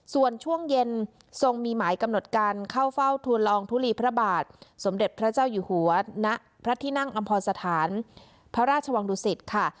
ส่วนช่วงเย็นทรงมีหมายกำหนดการเข้าเฝ้าทุนลองทุลีพระบาทสมเด็จพระเจ้าอยู่หัวณพระที่นั่งอำพรสถานพระราชวังดุสิตค่ะ